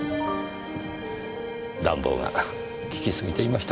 暖房が効きすぎていましたか？